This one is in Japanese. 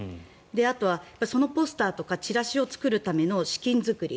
あとはそのポスターとかチラシを作るための資金作り